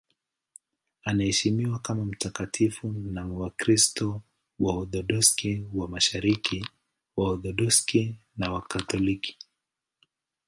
Anaheshimiwa kama mtakatifu na Wakristo Waorthodoksi wa Mashariki, Waorthodoksi na Wakatoliki.